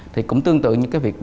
thì cũng tương tự như cái việc